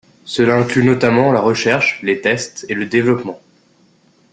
Cela inclut notamment la recherche, les tests et le développement.